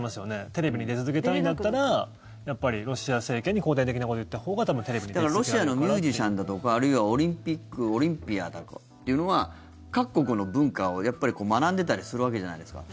テレビに出続けたいんだったらやっぱり、ロシア政権に肯定的なことを言ったほうがロシアのミュージシャンだとかあるいはオリンピアンというのは各国の文化を学んでたりするわけじゃないですか。